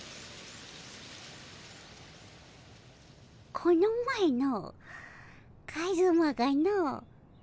この前のカズマがの。